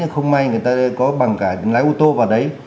không may người ta có bằng cả lái ô tô vào đấy